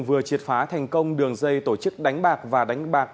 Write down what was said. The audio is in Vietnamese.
vừa triệt phá thành công đường dây tổ chức đánh bạc và đánh bạc